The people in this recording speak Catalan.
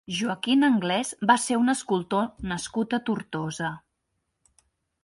Joaquin Angles va ser un escultor nascut a Tortosa.